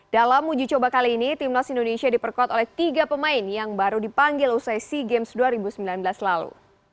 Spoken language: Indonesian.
dalam uji coba kali ini timnas indonesia diperkuat oleh tiga pemain yang baru dipanggil usai sea games dua ribu sembilan belas lalu